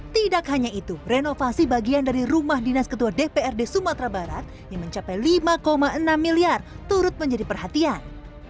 tidak hanya itu renovasi bagian dari rumah dinas ketua dprd sumatera barat yang mencapai lima enam miliar turut menjadi perhatian